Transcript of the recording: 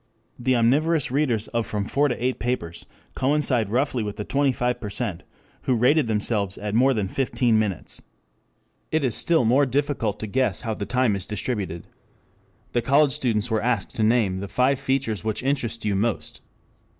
The omnivorous readers of from four to eight papers coincide roughly with the twenty five percent who rated themselves at more than fifteen minutes. 2 It is still more difficult to guess how the time is distributed. The college students were asked to name "the five features which interest you most."